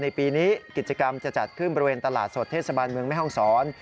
ปีนี้กิจกรรมจะจัดขึ้นบริเวณตลาดสดเทศบาลเมืองแม่ห้องศร